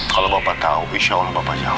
kalau bapak tahu insya allah bapak jawab